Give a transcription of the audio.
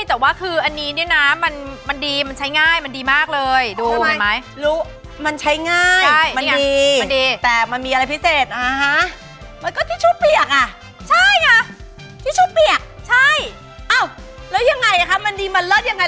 แต่ก็ทิชชู่เปียกอะใช่อะทิชชู่เปียกใช่เอ้าแล้วยังไงอะคะมันดีมันเลิศยังไง